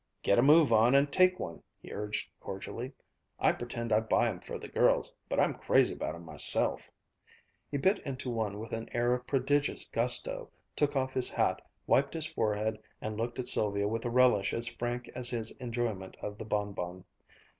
"Get a move on and take one," he urged cordially; "I pretend I buy 'em for the girls, but I'm crazy about 'em myself," He bit into one with an air of prodigious gusto, took off his hat, wiped his forehead, and looked at Sylvia with a relish as frank as his enjoyment of the bonbon.